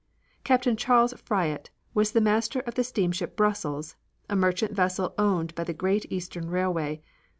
Captain Charles Fryatt was the master of the steamship Brussels, a merchant vessel owned by the Great Eastern Railway.